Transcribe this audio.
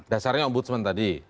dasarnya ombudsman tadi